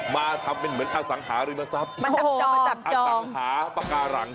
มาทำเป็นเหมือนอสังหาริมทรัพย์มันจับจองอสังหาริมทรัพย์ปากาหลัง